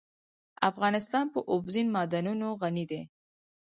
افغانستان په اوبزین معدنونه غني دی.